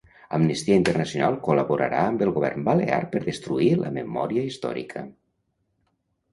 Amnistia Internacional col·laborarà amb el govern balear per destruir la memòria històrica.